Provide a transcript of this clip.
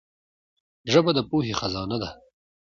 ژبه د پوهي خزانه ده.